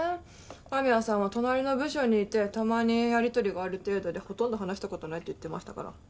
神谷さんは隣の部署にいてたまにやり取りがある程度でほとんど話した事ないって言ってましたから。